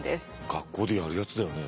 学校でやるやつだよね。